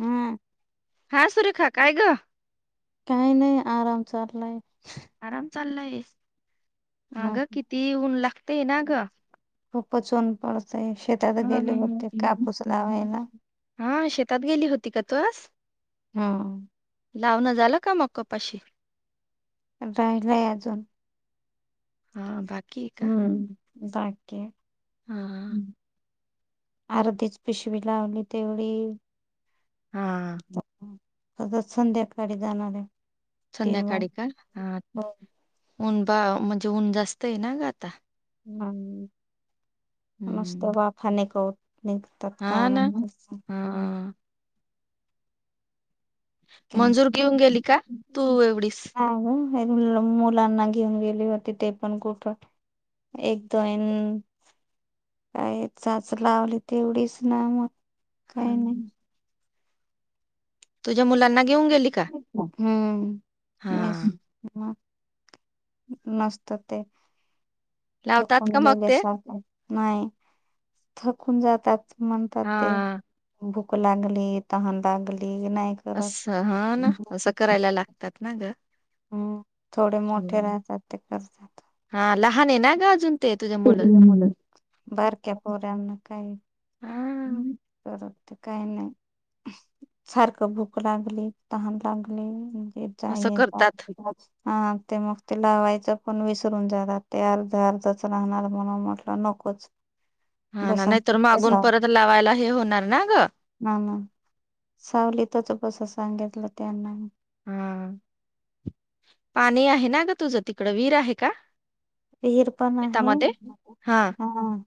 हम्मं हां सुरेखा कायं गं कांहीं नाहीं आंराम चाललांय आंराम चाललांय हां गं मग किती ऊंन लागतंय नां गं खूपचं ऊंन पडतंय शेतांत गेले होते कापूस लावांयला हां शेतांत गेली होती कां तरं हां लावणं झालं कां मंग कपाशी कायं नांय अजूंन हा बाकी आहे का हम्मं बाकीे हा अर्धीच पिशवी लावली तेवढी हां आजचं संध्याकांळी जाणारं आहे तीन वाजता संध्याकांळी कां हां ऊंन बां म्हणजे ऊंन जास्तं आहे नां गं आंता हा, नुसता हम्म वाफा निघून नाही का. त्यात हा कारण ना व्हायचं. हा काय मंजूर ते. घेऊन गेली का तू एवढीस. हा हो हे, मुलांना घेऊन गेली होती ते पण कुठ. एकदोन. काय चाच लावली तेवढीच ना मग हा. काही नाही. तुझ्या मुलांना घेऊन गेली तीच का हा हम्म मेस, [inaudible] ह नसत ते लावतात थकून का मग ते गेलेस सारखं. नाही थकून जातात म्हणतात हा ते. भूक लागली तहन लागली नाही का. असं हा, ना असं करायला लागतात ना ग! हम्म, थोडे मोठे हम्म राहतात ते करतात. हा लहान आहे. ना ग अजून. ते तुझे किती जण मुलं बारक्या पोऱ्यांना काय. हा हम, करत ते काही नाही. सारक भूक लागली तहन लागली जे असं जायच. करतात [inaudible] हा, ते मग ते लावायचं पण विसरून जाणार ते अर्ध अर्धच राहणार म्हणून म्हटलं नकोच. हा ना, बसा नाहीतर मागून बसा परत लावायला हे होणार ना ग. हा ना, सावलीतच बस सांगितलं त्यांना. हा, पाणी आहे ना ग तुझं तिकड! विर आहे का? विर पण आहे. शेतामध्ये बघू हा हम,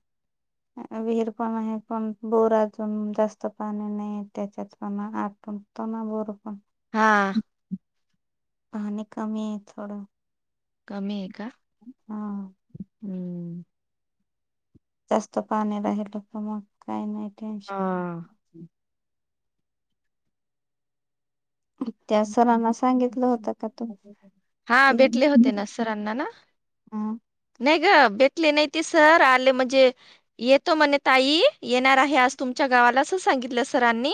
विहीर पण आहे. पण बोरजून जास्त पाणी नाही आहे. त्याच्यात पण आतण. तना बोर पण हा, पाणी कमी आहे. थोडं. कमी आहे का? हा, हम्म, जास्त पाणी राहिलं तर मग काही नाही टेन्शन. हा त्या सरांना सांगितलं होतं का तू हा ते. भेटले होते ना सरांना ना हा, नाही ग, भेटले नाही ते सर आले म्हणजे. येतो म्हणे ताई येणार आहे. आज तुमच्या गावाला अस सांगितलं सरांनी.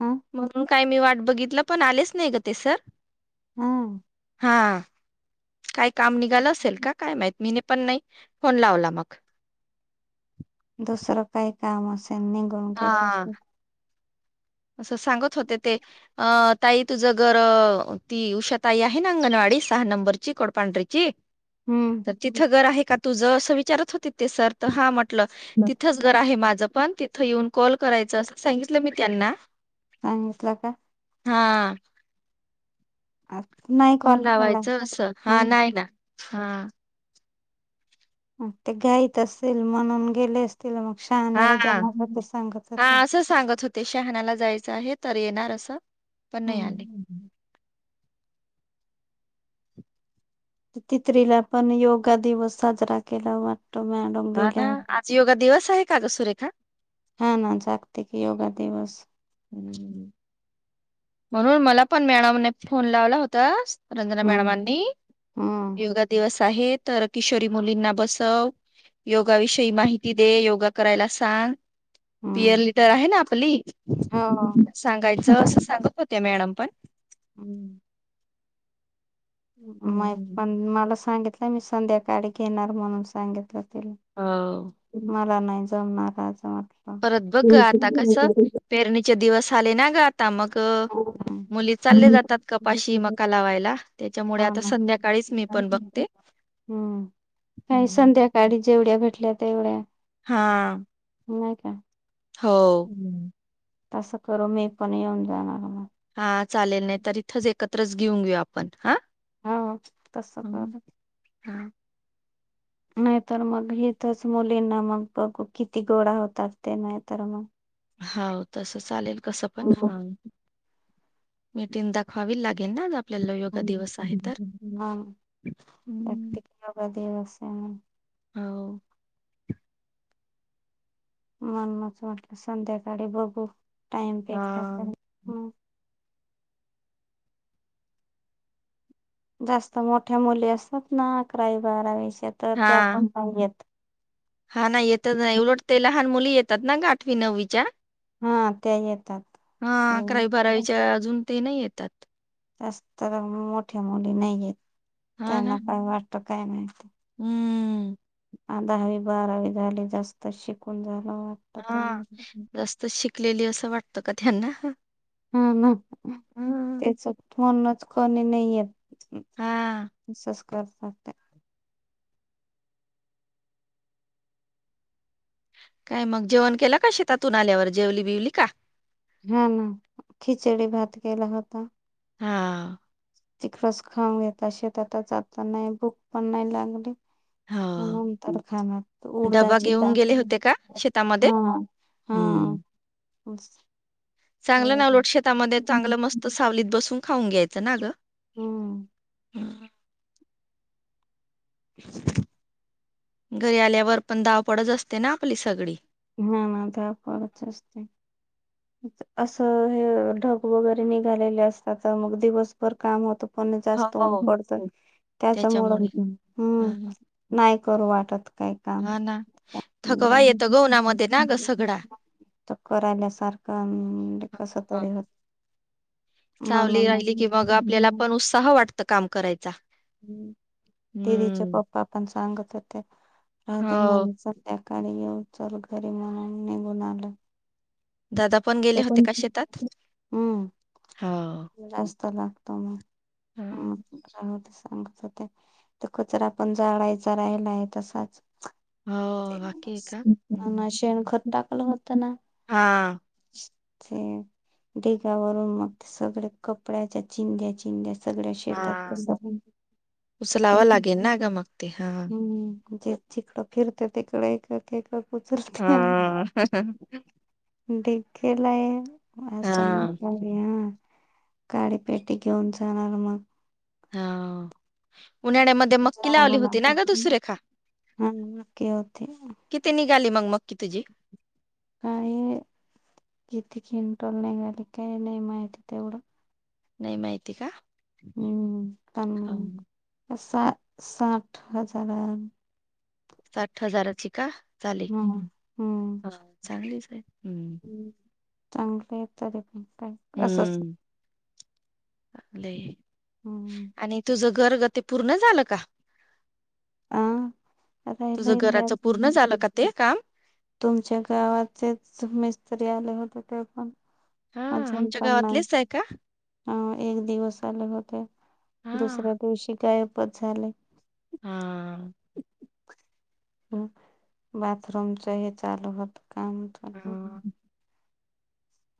हा म्हणून काय, मी वाट बघितलं पण आलेच नाही ग ते सर. हा, हा, काय काम निघाल असेल का? काय माहित मी न पण नाही. फोन लावला मग! दुसरं काही काम असेल निघून घलं. हा. असं सांगत होते ते. अ, ताई तुझं घर अ ती उषााताई आहे. ना अंगणवाडी सहा नंबरची कोडपांढरीची. ची, हम्म, तिथं घर तुझं आहे तुझ असं विचारत होते. ते सर हा म्हटले ती थच. घर आहे. माझं पण तिथं येऊन कॉल करायचं अस सांगितलं मी त्यांना. सांगितलं का? हा. आ फोन लावायचं असं, हा नाही ना. हा ते घाईत असतील, म्हणून गेले असतील. मग शहाण्याला हा जाणार ते सांगत होते ते शहाणाला जायचं आहे तर येणार असं पण नाही आले. हम्म तितरीला पण योगा दिवस साजरा केला वाटतो मॅ हा ना, आज योगा दिवस आहे का ग सुरेखा? हा ना जागतिक योगा दिवस. [unintelligible] म्हणून, मला पण मॅडमने फोन लावला होता, रंजना हम्म मॅडमांनी हम्म योगा दिवस आहे तर किशोरी मुलींना बसव. योगा विषयी माहिती दे. योगा करायला सांग. पियर हम्म लिडर आहे ना आपली? हो. सांगायचं असं सांगत होत्या मॅडम पण हम्म. माहित पण मला सांगितलं मी संध्याकाळी घेणार म्हणून सांगितलं तिला हाव. मला नाही जमणार आज परत बघ ग आता कसं पेरणीचे दिवस आले ना ग आता मग मुली चालले जातात कपाशी मका लावायला त्याच्यामुळे हो आता ना. संध्याकाळीच मी पण बघते हम्म. हम्म. गाडीत जेवढ्या भेटल्या तेवढ्या हा. नाही का हो. हम्म तसं करू मी पण येऊन जाणार म हा चालेल नाही तर इथच एकत्रच घेऊन घेऊ आपण हा. हाव तस हम्म. करू हा. नाहीतर मग इथच मुलींना मग बघू किती गोळा होतात ते नाहीतर मग हाव तस चालेल कसं पण हा मिटिंग दाखवावी लागेल ना ग आपल्याला योगा दिवस आहे तर. हम्म. योगा दिवस आहे. हाव. [unintelligible] संध्याकाळी बघू टाइम हा भेटला तर, हम्म. जास्त मोठ्या मुली असतात ना अकरावी बारावीच्या तर त्या हा पण पाहिजेत हा ना, येतच नाही उलट ते लहान मुली येतात ना ग आठवी नववीच्या. हा त्या येतात. हा अकरावी बारावीच्या अजून ते नाही येतात. अस तर मोठ्या मुली नाही येत हा ना त्यांना काय वाटत काय माहित. हम्म. अह दहावी बारावी झाली जास्त शिकून झालं हा त्यामुळे जास्त शिकलेली असं वाटतं का त्यांना. हा ना हम्म. त्याचं फोनच कमी नाही येत. हा सबस्क्राईब कर काय मग जेवण केल शेतातून आल्यावर जेवली बिवली का? हा ना खिचडी भात केला होता. हा तिखरस खाऊन घेतला शेतातच जाता नाही भूक पण नाही लागली. हो मग नंतर खाणार डबा उडदाची घेऊन गेले दाळ होते का शेतामध्ये? ह हम्म बस चांगल नावलोट शेतामध्ये चांगल मस्त सावलीत बसून खाऊन घ्यायच ना ग हम्म हा [unintelligible] घरी आल्यावर पण धावपळच असते ना आपली सगळी होना ना धावपळच असते. अस हे ढग वगैरे निघालेले असतात तर मग दिवसभर काम होत. पण जास्त ऊन हो. पडतय त्याच्यामुळ त्याच्यामुळे हम्म हं, नाही करू वाटत काय काम हा ना थकवा येतो ग उन्हामध्ये ना ग सगळा. करायला सारख काम अ कस हा. तरी होत म्हणून ताह वाटत काम करायचा. दिदीचे हम्म. पप्पा पण सांगत होते राहते हो, म्हण त्या काळी येऊ चल घरी म्हणून निघून आल. दादा गेले ते होते पण का शेतात? हम् हो. जास्त लागतो मग हं, हम् सांगत होते तो कचरा पण जाळायचा राहिला आहे तसाच. हो बाकी आहे का? हं. ते शेणखत टाकल होत ना. हा ते ढिगावरून मग ते सगळ कपड्याच्या चिंध्या चिंध्या सगळ्या शेतात हा. पसर उचलावं लागेल हम्म. ना ग [unintelligible] मग ते हा. जिकड फिरते तिकडे ऐकक ऐकक उचलते हि हा हा ह. डे केलय हा वासंत बिहान काडे पेटी घेऊन जाणार मग. उन्हाळ्या मध्ये मक्की लावली जावं होती ना ग तू लागल सुरेखा. हा मक्की होती किती निघाली मग मक्की तुझी. काये किती खिन टोल नाही झाली काही नाही माहित तेवढ नाही माहिती का. हम हा. हम्म् पा साठ हजार. साठ हजाराची का झाली हम्म ह चांगलीच आहे हम् चांगल आहे तरी पण काय असच. आपले हम्म आणि तुझ घरग ते पूर्ण झाल का. आ तुझ राहिलय ते घराच अजून पूर्ण झाल का ते काम. तुमच्या गावाचेच मिस्त्री आले होते ते पण. हा अजून आमच्या पण नाही गावातलेच आहे का अ एक दिवसले होते हा दुसऱ्या, दिवशी गायपच झाले. हा. बाथरूमच चालू होत काम. चालू हा.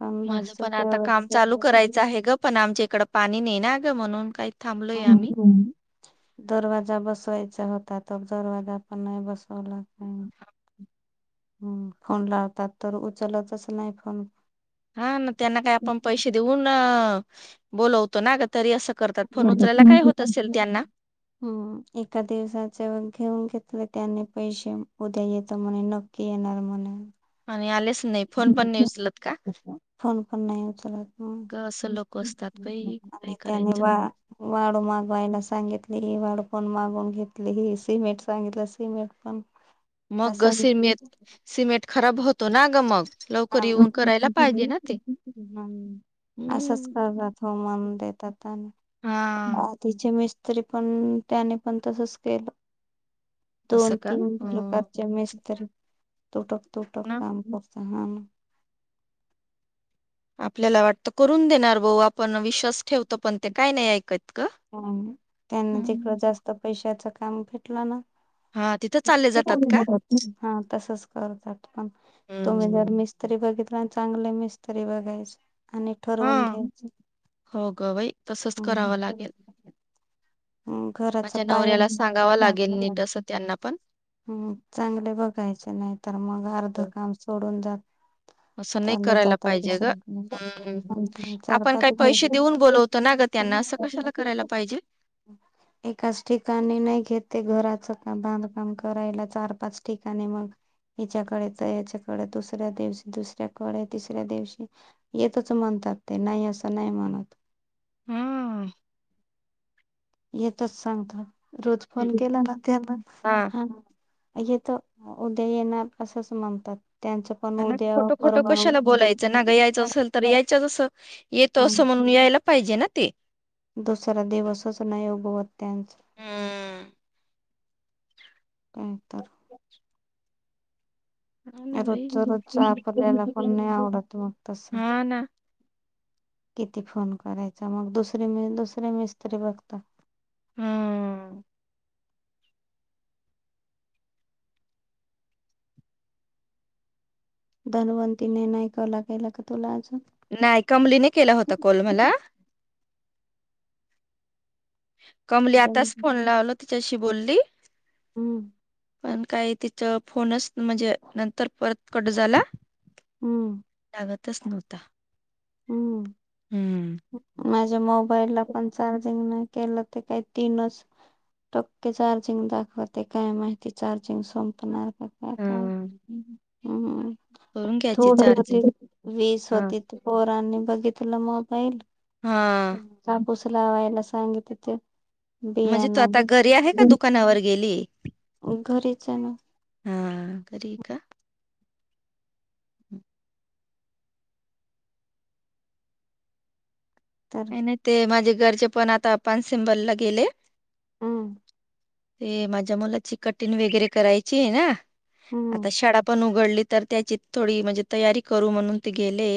पण लक्ष माझं पण आता काम तेवढंच चालू करायचं आहे, ग पण आमच्या इकडं पाणी नाही ना ग म्हणून काही. ह थांबलोय आम्ही हो. दरवाजा बसवायचा होता, तर दरवाजा पण नाही बसवला का. हम्म फोन लावतात तर उचलतच नाही फोन. हा ना त्यांना काय आपण पैसे देऊन बोलवतो ना ग तरी असं. करतात फोन उचरायला काय होत असेल त्यांना. हम् एका दिवसाच घेऊन घेतलं त्यानी पैसे उद्या येत म्हणे न. की येणार आहे म्हणे. आणि आलेच नाही फोन पण नाही उचलत का? फोन पण नाही उचलत. मग. का असं लोक असतात पई काही आणि त्याने करायचं. वा वाळू मागवायला सांगितलेली वाळू पण मागून घेतली सिमेंट सांगितलं सिमेंट पण. मग असंच सिम, सिमेंट खराब होत. तो ना ग मग लवकर आण येऊन करायला पाहिजे ना ते हम्म. असंच हम्म. करतात हो मन देतात. हा तिची मिस्त्री पण त्याने पण तसच केलं. दोन असं का तीन अ किलोकारच्या मेस तरी तुटक तुटक ना काम करत हान. आपल्याला वाटतं करून देणार भाऊ आपण विश्वास ठेवतो, पण ते काय नाही ऐकत. ग. त्यांना तिकडं हम्म. जास्त पैशाच काम घेतलं ना. हा तिथं चालले जातात का? [unintelligible] हा तसच करतात काम, पण तुम्ही हम्म जर म स्तरी बघितलं आणि चांगले मिस्तरी बघायच आणि ठरवून हा. घ्यायचे. हो गं बाई, तसच करावं लागेल. हम्म, घराचा माझ्या पाया नवऱ्याला सांगाव लागेल नीटसं त्यांना पण. हम् चांगले बघायचे नाही तर मग अर्ध हो. काम सोडून जात असं नाही चालले करायला जातात पाहिजे ग, दुसरीकडे हम् आणि चार आपण काही पाच पैसे देऊन बोलवतो ना ग त्यांना असं कशाला घर करायला पाहिजे. एकाच ठिकाणी नाही घेते घराचं का बांधकाम करायला चार पाच ठिकाणी मग हिच्याकडेच याच्याकडे दुसऱ्या दिवशी दुसऱ्याकडे, तिसऱ्या दिवशी. येतच म्हणतात ते नाही असं नाही म्हणत, हम्म. येतच सांगत रोज हे फोन केला दुखतं. ना त्यांना हा, येतो, उद्या येणार असंच म्हणतात त्यांच ह खोटं खोटं कशाला बोलायचं. नागं यायचं असेल तर यायचच असं, येतं हं असं म्हणून यायला पाहिजे ना ते. दुसरा दिवसच नाही उगवत त्यांचा. हम्म का तर [inaudible] हो ना बाई रोजच रोजच आपल्याला पण नाही आवडत मग तसं. हा ना किती फोन करायचा, मग दुसरी म दुसरी मिस्त्री बघतो. हम धनवंतीने नाही कला केला का तुला अजून- नाही कमलीने केला होता कॉल मला. कमली जम- आताच फोन लावला तिच्याशी बोलली, हम्म पण काही तिच फोनच म्हणजे नंतर परत कट झाला. हम्म लागतच नव्हता, हम्म हम्म माझ्या मोबाईलला पण चार्जिंग नाही केलं ते काही तीनच- टक्के चार्जिंग दाखवते काय माहिती चार्जिंग संपणार- का हम्म काय हू हू करून घ्यायची थोड चार्जिंग होती वीस हा होती पोरांनी बघितलं मोबाईल- हा कापूस लावायला सांगित होते. म्हणजे तू आता घरी आहे का दुकानावर. गेलीये. घरीच ये ना. हा घरी ये का. तर आणि नाही ते माझे घरचे पण आता पान सिंबल ला गेले. हम् ते माझ्या मुलाची कटिंग वगैरे करायची ये ना आता हम्म शाळा- पण उघडली तर त्याची थोडी म्हणजे तयारी करू म्हणून ते गेले.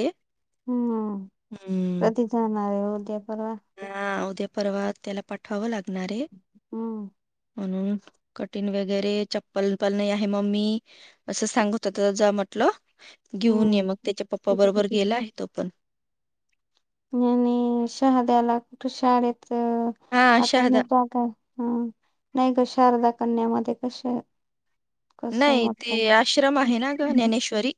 हम्म हम्म. कधी जाणार आहे उद्या परवा. हा उद्या परवा त्याला पाठवावं लागणार ये. हम्म म्हणून कटिंग वगैरे चप्पल पण नाही आहे मम्मी असं सांगत होता जा म्हटलं घेऊन ये हम्म मग त्याच्या पप्पा बरोबर गेला आहे तो पण- आणि शहाद्याला कुठे शाळेत हा आता शहादा मी जागा- हम नाही क शारदा कन्यामध्ये कशा- नाही ते आश्रम आहे ना ग ज्ञानेश्वरी?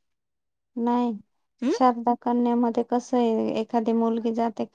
नाइ हम्म शारदा कन्यामदे कसय एखादी मुलगी जाते का?